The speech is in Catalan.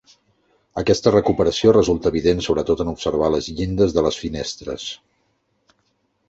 Aquesta recuperació resulta evident sobretot en observar les llindes de les finestres.